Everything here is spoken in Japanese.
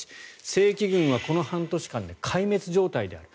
正規軍はこの半年間で壊滅状態である。